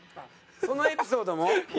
そのエピソードも？